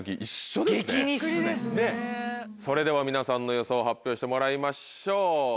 それでは皆さんの予想発表してもらいましょう。